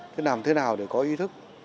thế nào thế nào để có ý thức